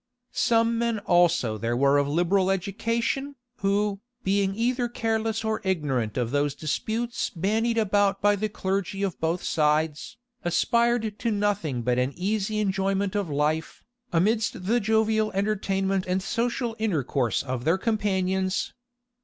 Some men also there were of liberal education, who, being either careless or ignorant of those disputes bandied about by the clergy of both sides, aspired to nothing but an easy enjoyment of life, amidst the jovial entertainment and social intercourse of their companions.